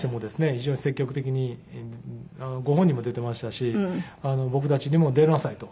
非常に積極的にご本人も出ていましたし僕たちにも出なさいと。